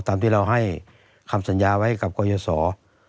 ตามที่เราให้คำสัญญาไว้กับกรยศร